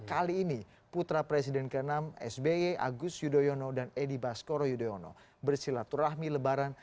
kali ini putra presiden ke enam sby agus yudhoyono dan edi baskoro yudhoyono bersilaturahmi lebaran